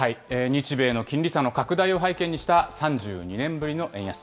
日米の金利差の拡大を背景にした３２年ぶりの円安。